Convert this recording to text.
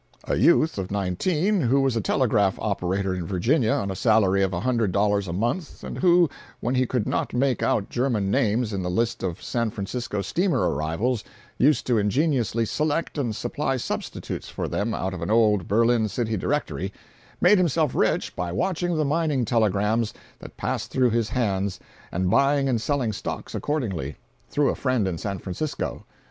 323.jpg (46K) A youth of nineteen, who was a telegraph operator in Virginia on a salary of a hundred dollars a month, and who, when he could not make out German names in the list of San Francisco steamer arrivals, used to ingeniously select and supply substitutes for them out of an old Berlin city directory, made himself rich by watching the mining telegrams that passed through his hands and buying and selling stocks accordingly, through a friend in San Francisco.